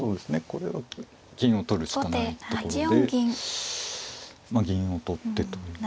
これは銀を取るしかないところでまあ銀を取ってという。